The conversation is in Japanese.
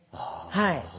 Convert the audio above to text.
はい。